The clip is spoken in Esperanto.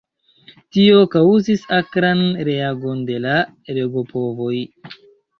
Tio kaŭzis akran reagon de la regopovoj.